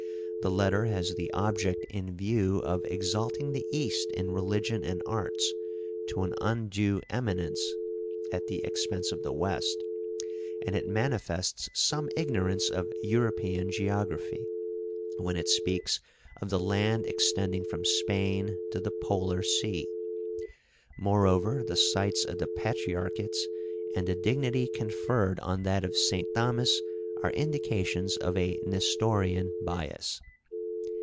The letter has the object in view of exalting the East in religion and arts to an undue eminence at the expense of the West, and it manifests some ignorance of European geography, when it speaks of the land extending from Spain to the Polar Sea. Moreover, the sites of the patriarchates, and the dignity conferred on that of St. Thomas, are indications of a Nestorian bias.